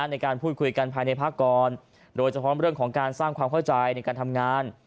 ในการพูดคุยกันภายในภาคกรโดยเฉพาะเรื่องของการสร้างความเข้าใจในการทำงาน